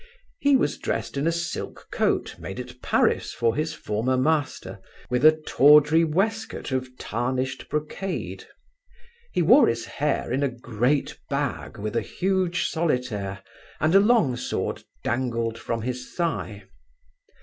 He was dressed in a silk coat, made at Paris for his former master, with a tawdry waistcoat of tarnished brocade; he wore his hair in a great bag with a huge solitaire, and a long sword dangled from his thigh.